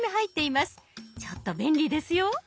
ちょっと便利ですよ。